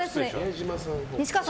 西川さん